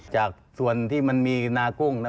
จากส่วนที่มันมีนากุ้ง